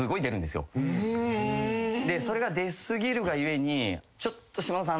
それが出すぎるが故にちょっと下野さん